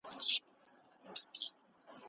دوستي بايد د متقابل احترام پر بنسټ جوړه سي.